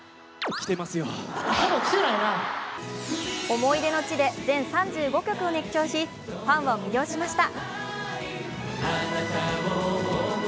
思い出の地で全３５曲を熱唱しファンを魅了しました。